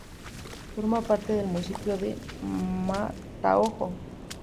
Forma parte del municipio de Mataojo.